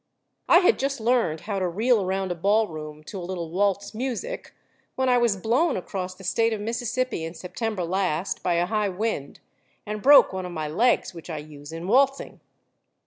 I had just learned how to reel around a ballroom to a little waltz music, when I was blown across the State of Mississippi in September last by a high wind, and broke one of my legs which I use in waltzing.